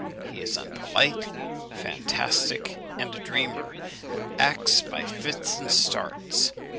He is unpolite, fantastic, and a dreamer, and acts by fits and starts."